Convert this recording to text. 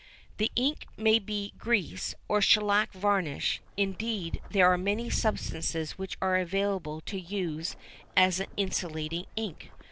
The ink may be grease, or shellac varnish, indeed there are many substances which are available for use as an insulating ink.